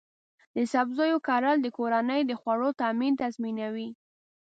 د سبزیو کرل د کورنۍ د خوړو تامین تضمینوي.